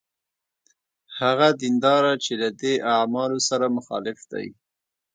هغه دینداره چې له دې اعمالو سره مخالف دی.